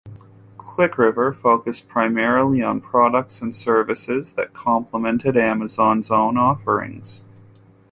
Clickriver focused primarily on products and services that complemented Amazon's own offerings.